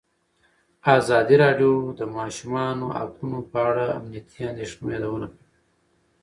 ازادي راډیو د د ماشومانو حقونه په اړه د امنیتي اندېښنو یادونه کړې.